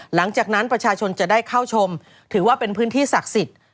หลังจากนั้นประชาชนจะได้เข้าชมถือว่าเป็นพื้นที่ศักดิ์สิทธิ์